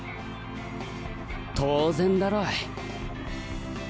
当然だろい。